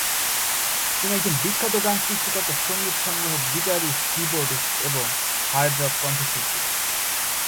তিনি একজন বিখ্যাত গান সৃষ্টিকর্তা, সঙ্গীত সংগ্রাহক, গিটারিস্ট, কি-বোর্ডিস্ট এবং হার্ড রক কন্ঠশিল্পী।